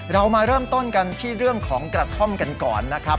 เรามาเริ่มต้นกันที่เรื่องของกระท่อมกันก่อนนะครับ